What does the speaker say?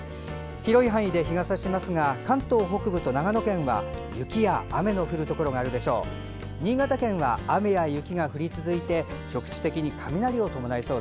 広い範囲で日がさしますが関東北部と長野県は雪や雨の降るところがあるでしょう。